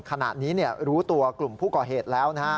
ขณะนี้รู้ตัวกลุ่มผู้ก่อเหตุแล้ว